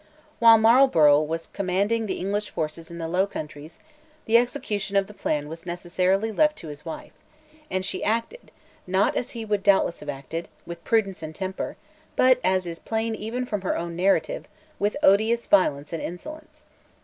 While Marlborough was commanding the English forces in the Low Countries, the execution of the plan was necessarily left to his wife; and she acted, not as he would doubtless have acted, with prudence and temper, but, as is plain even from her own narrative, with odious violence and insolence.